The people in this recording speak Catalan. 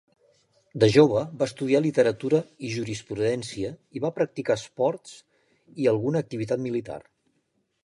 De jove va estudiar literatura i jurisprudència i va practicar esports i alguna activitat militar.